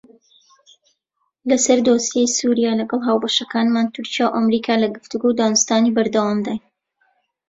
لەسەر دۆسیەی سووریا لەگەڵ هاوبەشەکانمان تورکیا و ئەمریکا لە گفتوگۆ و دانوستاندنی بەردەوامداین.